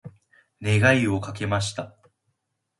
願いをかけました。